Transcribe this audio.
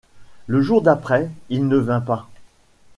Le jour d’après, il ne vint pas.